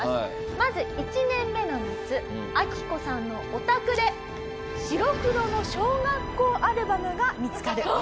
まず１年目の夏アキコさんのお宅で白黒の小学校アルバムが見つかる。